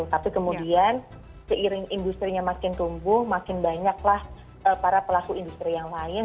tapi kemudian seiring industrinya makin tumbuh makin banyaklah para pelaku industri yang lain